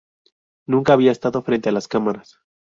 Nunca había estado frente a las cámaras.